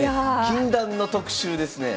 禁断の特集ですね。